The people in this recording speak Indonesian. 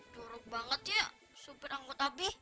jorok banget ya supir anggota bi